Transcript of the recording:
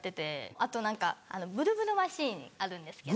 あと何かブルブルマシンあるんですけど。